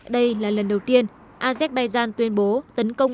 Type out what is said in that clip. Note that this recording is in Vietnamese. đây là lần đầu tiên azerbaijan tuyên bố tấn công